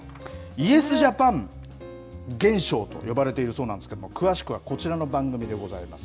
イエスジャパン現象と呼ばれているそうなんですけれども、詳しくはこちらの番組でございます。